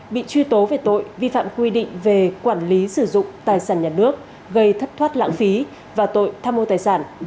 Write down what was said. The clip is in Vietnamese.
bị truy tố về tội vi phạm quy định về quản lý sử dụng tài sản nhà nước gây thất thoát lãng phí và tội tham mô tài sản